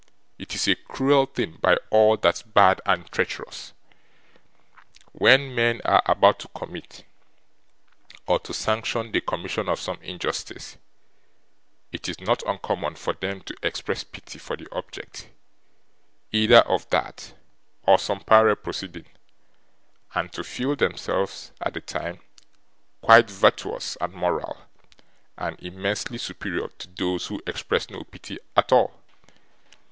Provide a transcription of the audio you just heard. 'It is a cruel thing, by all that's bad and treacherous!' When men are about to commit, or to sanction the commission of some injustice, it is not uncommon for them to express pity for the object either of that or some parallel proceeding, and to feel themselves, at the time, quite virtuous and moral, and immensely superior to those who express no pity at all.